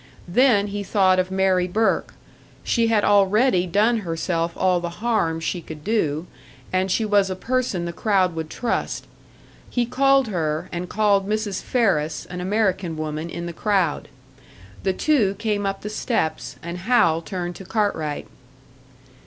Then he thought of Mary Burke; she had already done herself all the harm she could do, and she was a person the crowd would trust. He called her, and called Mrs. Ferris, an American woman in the crowd. The two came up the steps, and Hal turned to Cartwright.